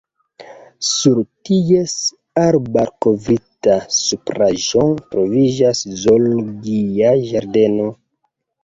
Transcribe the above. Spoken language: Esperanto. Sur ties arbarkovritta supraĵo troviĝas Zoologia ĝardeno.